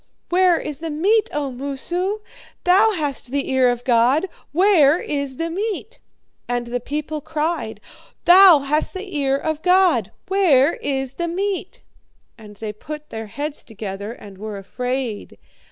Where is the meat, O Moosu? Thou hast the ear of God. Where is the meat?" "'And the people cried, "Thou hast the ear of God. Where is the meat?" And they put their heads together and were afraid.